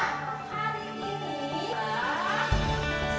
trapezio itu namanya bangun